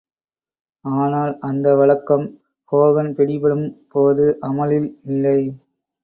ஆனால் அந்த வழக்கம் ஹோகன் பிடிபடும்போது அமுலில் இல்லை.